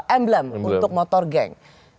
emblem untuk motor geng